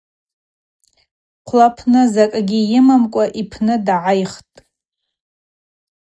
Хъвлапны закӏгьи йымамкӏва йпны дгӏайхтӏ.